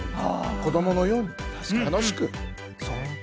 子どものように楽しく。